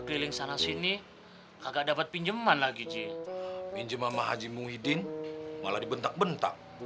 keliling sana sini kagak dapat pinjeman lagi ji pinjeman mah haji muhyiddin malah dibentak bentak